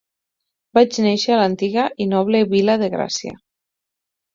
Vaig neixer a l'antiga i noble Vila de Gracia.